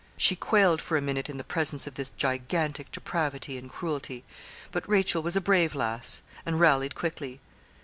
She quailed for a minute in the presence of this gigantic depravity and cruelty. But Rachel was a brave lass, and rallied quickly.